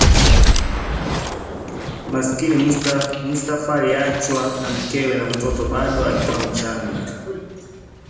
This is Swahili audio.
Maskini Mustafa… aliachwa na mkewe na mtoto bado akiwa mchanga